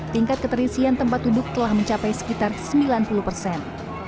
tingkat keterisian tempat duduk telah mencapai sekitar sembilan puluh persen